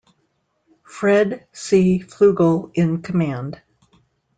Fred C. Fluegel in command.